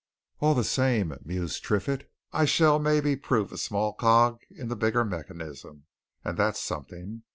"All the same," mused Triffitt, "I shall maybe prove a small cog in the bigger mechanism, and that's something.